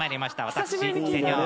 私。